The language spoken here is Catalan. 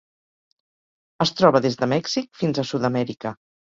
Es troba des de Mèxic fins a Sud-amèrica.